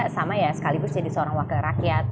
sama ya sekaligus jadi seorang wakil rakyat